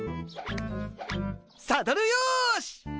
サドルよし。